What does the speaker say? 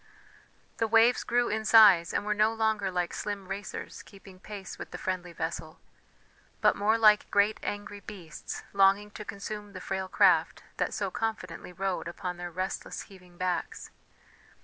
The waves grew in size, and were no longer like slim racers keeping pace with the friendly vessel, but more like great angry beasts longing to consume the frail craft that so confidently rode upon their restless heaving backs.